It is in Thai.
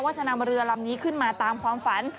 จะนำเรือลำนี้ขึ้นมาตามความฝัน